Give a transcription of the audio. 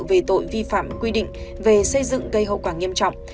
về tội vi phạm quy định về xây dựng gây hậu quả nghiêm trọng